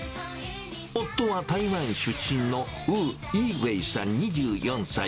夫は台湾出身のウーイーウェイさん２４歳。